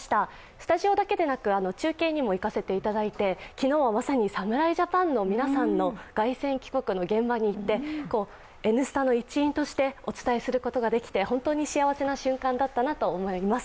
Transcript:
スタジオだけでなく中継にも行かせていただいて昨日はまさに侍ジャパンの皆さんの凱旋帰国の現場に行って「Ｎスタ」の一員としてお伝えすることができて、本当に幸せな瞬間だったなと思います。